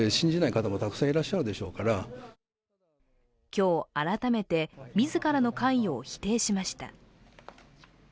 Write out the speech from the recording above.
今日、改めて自らの関与を否定しました。